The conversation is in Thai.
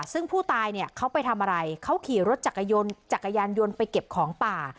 ซึ่งผู้ตายเขาไปทำอะไรเขาขี่รถจากกายานยนต์ไปเก็บของป่า